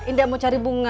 indah mau cari bunga